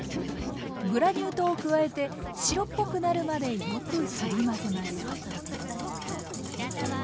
グラニュー糖を加えて白っぽくなるまでよくすり混ぜます。